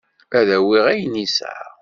Ad awiɣ ayen yesɛa.